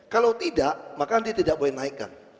kalau tidak maka dia tidak boleh naikkan